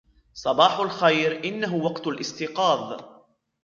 صباح الخير. إنهُ وقت الإستيقاظ.